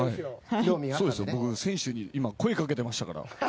僕、選手に今、声かけてましたから。